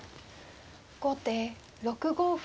後手６五歩。